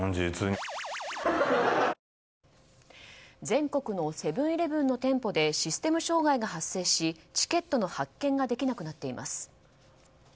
全国のセブン‐イレブンの店舗でシステム障害が発生しチケットの発券ができなくなっています。